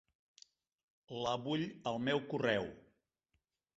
La vull al meu correu.